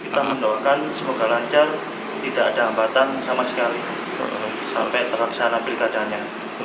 kita mendoakan semoga lancar tidak ada hambatan sama sekali sampai terlaksana pilkadanya